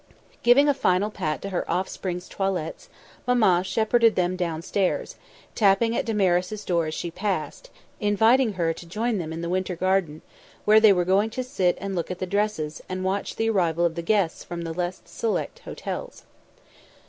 Giving a final pat to her offsprings' toilettes, Mamma shepherded them downstairs, tapping at Damaris's door as she passed, inviting her to join them in the Winter Garden, where they were going to sit and look at the dresses, and watch the arrival of the guests from the less select hotels.